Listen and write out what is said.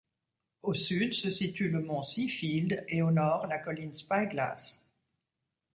Au Sud se situe le mont Seafield et au nord la colline Spy Glass.